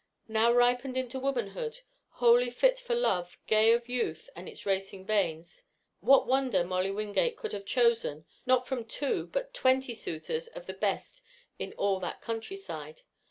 New ripened into womanhood, wholly fit for love, gay of youth and its racing veins, what wonder Molly Wingate could have chosen not from two but twenty suitors of the best in all that countryside?